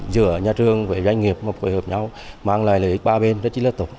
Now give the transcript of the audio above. giữa nhà trường với doanh nghiệp mà phối hợp nhau mang lại lợi ích ba bên rất là tốt